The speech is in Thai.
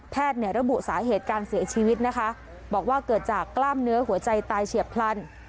ระบุสาเหตุการเสียชีวิตนะคะบอกว่าเกิดจากกล้ามเนื้อหัวใจตายเฉียบพลัน